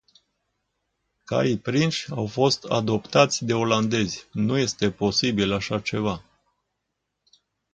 Caii prinși, au fost adoptați de olandezi, nu este posibil așa ceva.